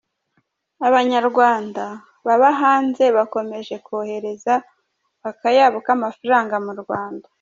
Abanyarwanda baba hanze bakomeje kohereza akayabo k’amafaranga mu Rwanda